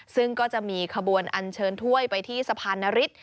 ซึ่งก็จะมีขบวนอันเชิญถ้วยไปที่สะพานนฤทธิ